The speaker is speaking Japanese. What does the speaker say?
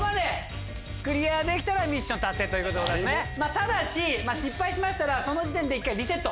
ただし失敗しましたらその時点で一回リセット。